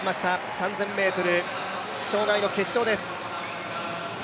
３０００ｍ障害の決勝です。